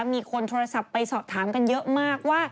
มีคนโทรศัพท์ไปสอบถามกันเยอะมากว่า